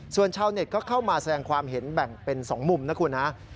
ส่วนชาวเน็ตก็เข้ามาแสดงความเห็นแบ่งเป็น๒มุมนะคุณฮะ